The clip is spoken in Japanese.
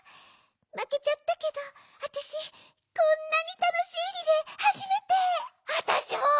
まけちゃったけどあたしこんなにたのしいリレーはじめて！あたしも！